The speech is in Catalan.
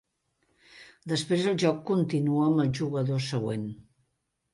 Després el joc continua amb el jugador següent.